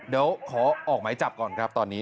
เดี๋ยวขอออกหมายจับก่อนครับตอนนี้